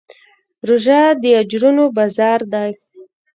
روژه د اجرونو بازار دی.